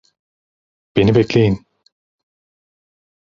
Beni bekleyin!